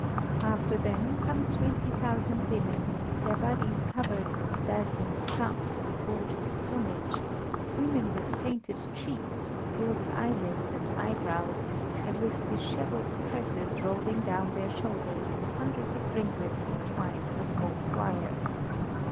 After them come 20,000 women, their bodies covered with dazzling stuffs and gorgeous plumage; women with painted cheeks, gilded eyelids and eyebrows, and with dishevelled tresses rolling down their shoulders in hundreds of ringlets entwined with gold wire.